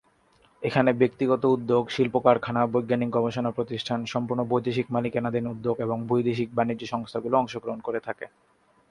এখানে ব্যক্তিগত উদ্যোগ, শিল্প-কারখানা, বৈজ্ঞানিক গবেষণা প্রতিষ্ঠান, সম্পূর্ণ বৈদেশিক মালিকানাধীন উদ্যোগ এবং বৈদেশিক বাণিজ্য সংস্থাগুলো অংশগ্রহণ করে থাকে।